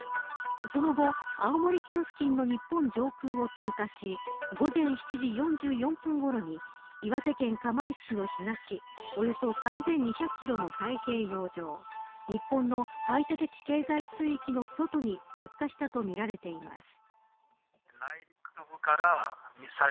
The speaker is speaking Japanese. その後、青森県付近の日本上空を通過し午前７時４４分ごろに岩手県釜石市の東およそ３２００キロの太平洋上日本の排他的経済水域の外に落下したとみられています。